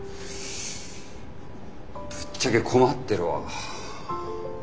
ぶっちゃけ困ってるわ。